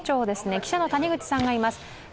記者の谷口さんがいます。